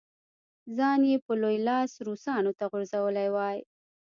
ځان یې په لوی لاس روسانو ته غورځولی وای.